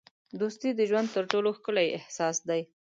دوستي د ژوند تر ټولو ښکلی احساس دی.